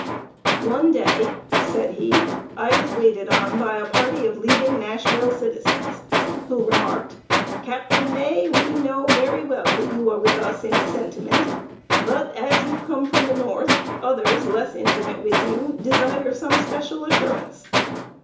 ] "One day," said he, "I was waited on by a party of leading Nashville citizens, who remarked: 'Captain May, we know very well that you are with us in sentiment; but, as you come from the North, others, less intimate with you, desire some special assurance.'